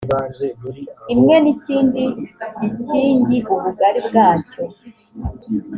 imwe n ikindi gikingi ubugari bwacyo